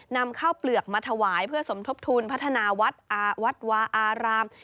นำข้าวเปลือกมาถวายเพื่อสมทบทุนพัฒนาวัดวาอาราม